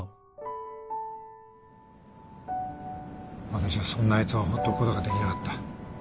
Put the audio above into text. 私はそんなあいつを放っておくことができなかった。